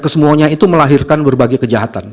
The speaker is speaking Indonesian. kesemuanya itu melahirkan berbagai kejahatan